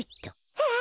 はあ。